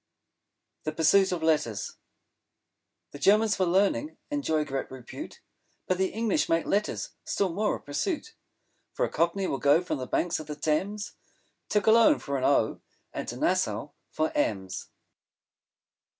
THE PURSUIT OF LETTERS The Germans for Learning enjoy great repute; But the English make Letters still more a pursuit; For a Cockney will go from the banks of the Thames To Cologne for an O and to Nassau for M's.